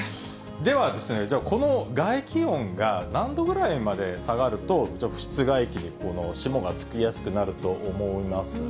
では、この外気温が何度ぐらいまで下がると、室外機に霜がつきやすくなると思いますか？